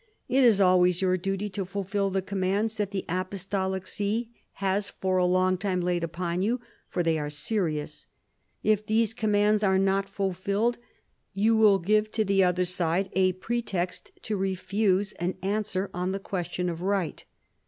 It is always your duty to fulfil the commands that the Apostolic See has for a long time laid upon you, for they are serious. If these commands are not fulfilled, you will give to the other side a pretext to refuse an answer on the question of right."